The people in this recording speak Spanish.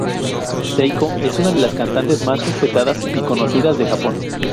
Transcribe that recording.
Seiko es una de las cantantes más respetadas y conocidas de Japón.